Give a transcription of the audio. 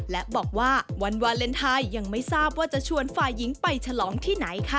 และบอกว่าวันวาเลนไทยยังไม่ทราบว่าจะชวนฝ่ายหญิงไปฉลองที่ไหนค่ะ